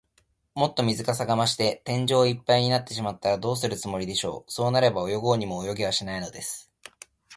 もっと水かさが増して、天井いっぱいになってしまったら、どうするつもりでしょう。そうなれば、泳ごうにも泳げはしないのです。